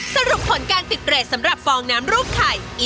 สรุปผลการติดเรทสำหรับฟองน้ำรูปไข่